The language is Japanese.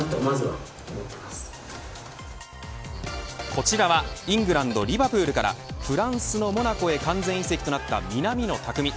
こちらはイングランドリヴァプールからフランスのモナコへ完全移籍となった南野拓実。